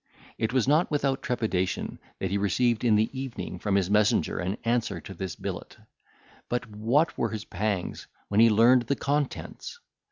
It was not without trepidation that he received in the evening from his messenger an answer to this billet; but what were his pangs when he learned the contents!